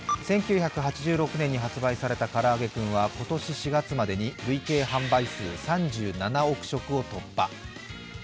１９８６年に発売されたからあげクンは今年４月までに累計販売数３７億食を突破。